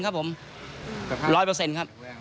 ครับผม๑๐๐ครับ